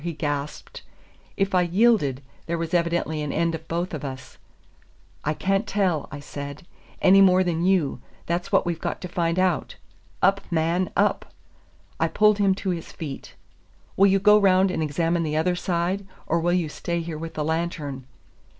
he gasped. If I yielded, there was evidently an end of both of us. "I can't tell," I said, "any more than you; that's what we've got to find out. Up, man, up!" I pulled him to his feet. "Will you go round and examine the other side, or will you stay here with the lantern?"